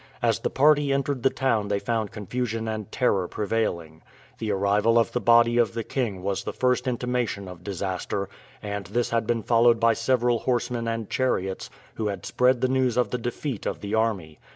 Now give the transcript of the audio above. As the party entered the town they found confusion and terror prevailing. The arrival of the body of the king was the first intimation of disaster, and this had been followed by several horsemen and chariots, who had spread the news of the defeat of the army.